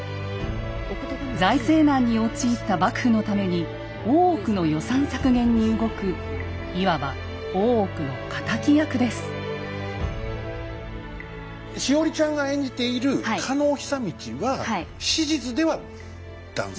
財政難に陥った幕府のために大奥の予算削減に動くいわばしほりちゃんが演じている加納久通は史実では男性？